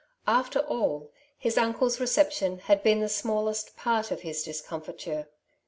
After all, his uncle's reception had been the smallest part of his discomfiture.